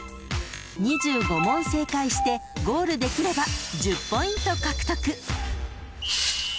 ［２５問正解してゴールできれば１０ポイント獲得］